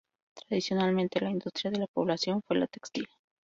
Tradicionalmente, la industria de la población fue la textil.